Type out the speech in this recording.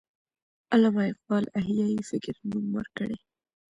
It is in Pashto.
علامه اقبال احیای فکر نوم ورکړی.